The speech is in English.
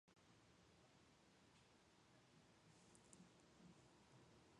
The extent table in the main article does the opposite.